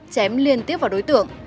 chém liên tiếp vào đối tượng